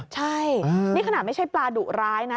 ใช่นี่ขนาดไม่ใช่ปลาดุร้ายนะ